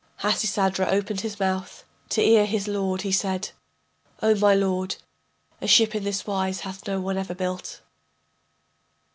Hasisadra opened his mouth, to Ea his lord he said: O my lord, a ship in this wise hath no one ever built....